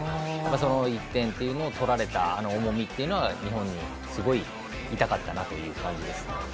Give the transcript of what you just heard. その１点を取られた重みというのが日本に、すごい痛かったなという感じですね。